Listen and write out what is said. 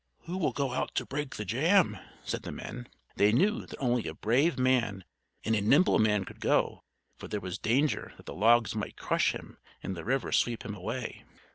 "Who will go out to break the jam?" said the men. They knew that only a brave man and a nimble man could go, for there was danger that the logs might crush him and the river sweep him away.